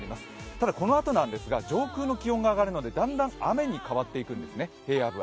ただ、このあとなんですが上空の気温が上がるのでだんだん雨に変わっていくんですね、平野部は。